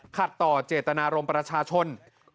ต่อเจตนารมณ์ประชาชน